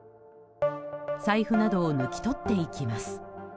財布などを抜き取っていきます。